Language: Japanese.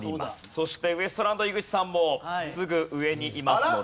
そしてウエストランド井口さんもすぐ上にいますので。